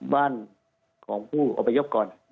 บ้านของผู้อพยพก่อน